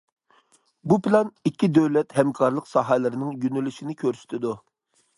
بۇ پىلان ئىككى دۆلەت ھەمكارلىق ساھەلىرىنىڭ يۆنىلىشىنى كۆرسىتىدۇ.